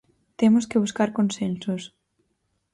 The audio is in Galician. Temos que buscar consensos.